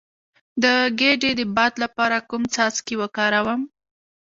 د ګیډې د باد لپاره کوم څاڅکي وکاروم؟